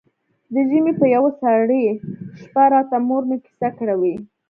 د ژمي په يوه سړه شپه راته مور مې کيسې کړې وې.